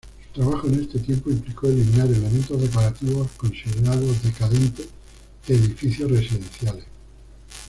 Su trabajo en ese tiempo implicó eliminar elementos decorativos, considerados "decadentes", de edificios residenciales.